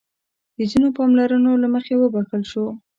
د ځينو پاملرنو له مخې وبښل شو.